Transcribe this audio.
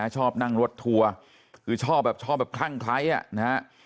ชอบนั่งรถทัวร์คือชอบแบบทั่งไคร้